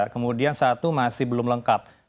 kemudian satu masih belum lengkap